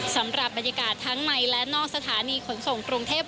สำหรับบรรยากาศทั้งในและนอกสถานีขนส่งกรุงเทพ